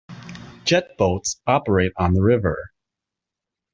Jetboats operate on the river.